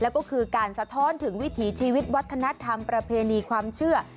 แล้วก็คือการสะท้อนถึงวิถีชีวิตวัฒนธรรมประเพณีความเชื่อ